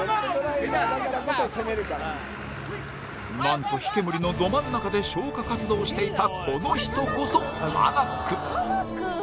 なんと、火煙のど真ん中で消火活動をしていたこの人こそタナック。